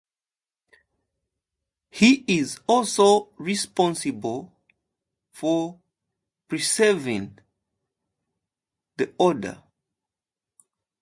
He is also responsible for preserving the order.